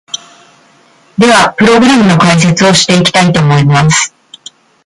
では、プログラムの解説をしていきたいと思います！